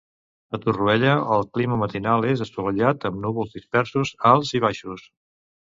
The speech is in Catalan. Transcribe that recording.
A Torroella, el clima matinal és assolellat amb núvols dispersos, alts i baixos.